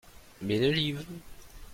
Mes deux livres.